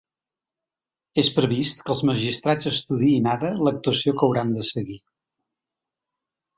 És previst que els magistrats estudiïn ara l’actuació que hauran de seguir.